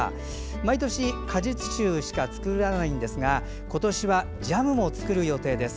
毎年、果実酒しか作らないんですが今年はジャムも作る予定です。